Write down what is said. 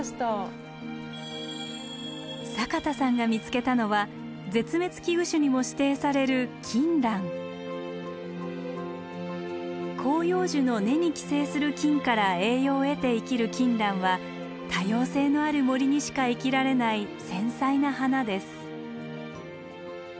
坂田さんが見つけたのは絶滅危惧種にも指定される広葉樹の根に寄生する菌から栄養を得て生きるキンランは多様性のある森にしか生きられない繊細な花です。